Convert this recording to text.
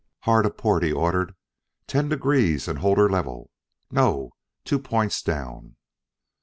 "Hard a port!" he ordered. "Ten degrees, and hold her level. No two points down."